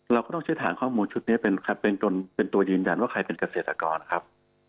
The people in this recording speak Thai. เราก็ต้องใช้ฐานข้อมูลชุดนี้เป็นตัวยืนยันว่าใครเป็นเกษตรกรครับ